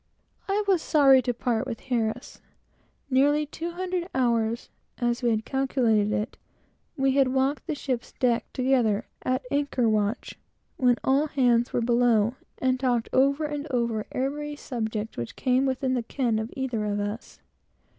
I was sorry to part with Harris. Nearly two hundred hours (as we had calculated it) had we walked the ship's deck together, at anchor watch, when all hands were below, and talked over and over every subject which came within the ken of either of us.